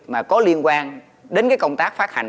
mà có liên quan đến cái công tác phát hành